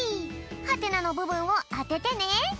はてなのぶぶんをあててね。